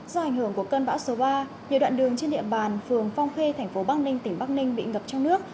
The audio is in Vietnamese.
do ảnh hưởng của cơn bão số ba nhiều đoạn đường trên địa bàn phường phong khê thành phố bắc ninh tỉnh bắc ninh bị ngập trong nước